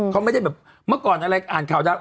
เค้าไม่ได้แบบเมื่อก่อนอะไรอ่านนะคะว่า